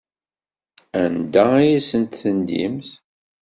Anda ay asent-tendimt?